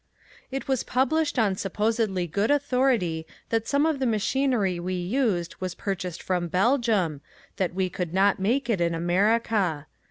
It was published on supposedly good authority that some of the machinery we used was purchased from Belgium, that we could not make it in America.